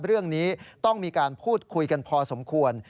เรื่องนี้ต้องมีการพูดคุยกันพอสมควร